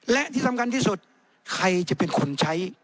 และที่สำคัญที่สุดใครจะเป็นคนใช้